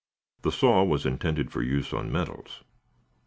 The saw was intended for use on metals.